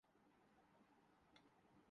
برداشت سب کچھ جگر کو ہی کرنا پڑتا۔